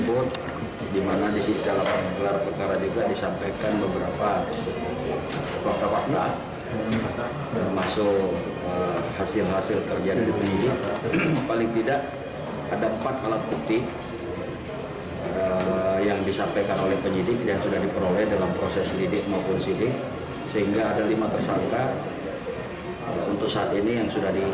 untuk saat ini yang sudah ditahukan